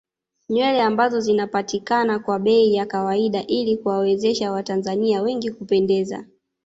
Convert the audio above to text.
Nywele ambazo zinapatikama kwa bei ya kawaida ili kuwawezesha watanzania wengi kupendeza